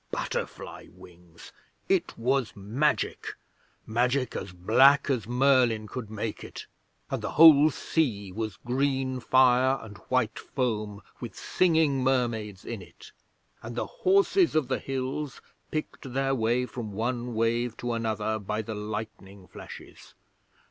Butterfly wings! It was Magic Magic as black as Merlin could make it, and the whole sea was green fire and white foam with singing mermaids in it. And the Horses of the Hills picked their way from one wave to another by the lightning flashes!